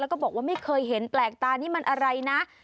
แล้วก็บอกว่าไม่เคยเห็นแปลกตานี่มันอะไรนะ